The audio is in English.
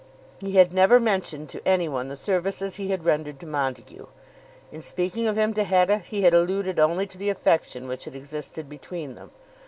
He had never mentioned to anyone the services he had rendered to Montague. In speaking of him to Hetta he had alluded only to the affection which had existed between them.